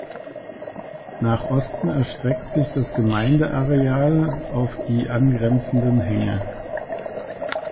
Nach Osten erstreckt sich das Gemeindeareal auf die angrenzenden Hänge.